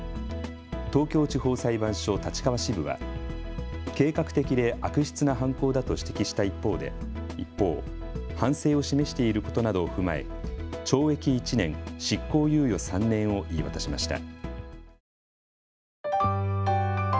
東京地方裁判所立川支部は計画的で悪質な犯行だと指摘した一方、反省を示していることなどを踏まえ懲役１年、執行猶予３年を言い渡しました。